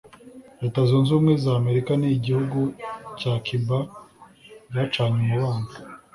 Leta zunze ubumwe za Amerika n’igihugu cya Cuba byacanye umubano